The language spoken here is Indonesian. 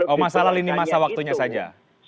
oh masalah lini masa waktunya saja